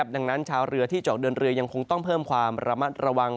ดังนั้นชาวเรือที่จะออกเดินเรือยังคงต้องเพิ่มความระมัดระวัง